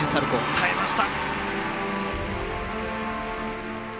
耐えました！